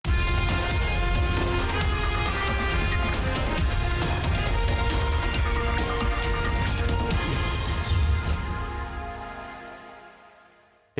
โตงโตง